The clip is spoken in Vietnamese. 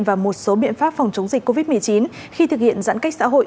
và một số biện pháp phòng chống dịch covid một mươi chín khi thực hiện giãn cách xã hội